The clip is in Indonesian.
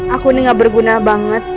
aku ini gak berguna banget